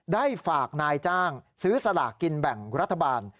ได้ฝากนายจ้างซื้อสลากกินแบ่งรัฐบาล